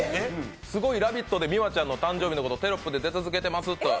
すごい「ラヴィット！」で美和ちゃんの誕生日のことテロップで出続けてますと。